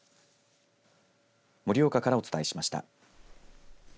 盛岡からお伝えしました。